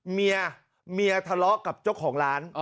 เมียเมียทะเลาะกับเจ้าของร้าน